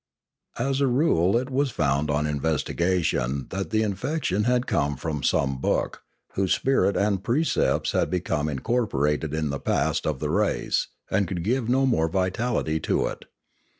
As a rule it was found on investigation that the in fection had come from some book, whose spirit and precepts had become incorporated in the past of the race and could give no more vitality to it.